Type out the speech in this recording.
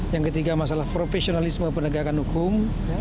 yang ketiga masalah profesionalisme penegakan hukum